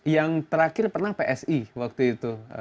yang terakhir pernah psi waktu itu